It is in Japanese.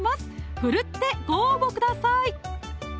奮ってご応募ください